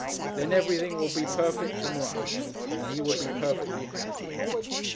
Then everything would be perfect and right, and he would be perfectly happy.